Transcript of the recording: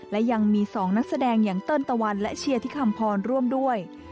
และยังมี๒นักแสดงอย่างเติ้ลตะวันและเชียร์ที่คำพรร่วมด้วย